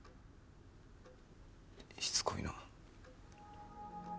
しつこいな。